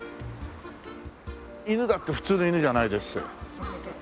犬だって普通の犬じゃないでっせ。